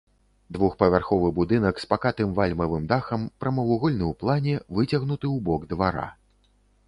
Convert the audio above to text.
Двухпавярховы будынак з пакатым вальмавым дахам, прамавугольны ў плане, выцягнуты ў бок двара.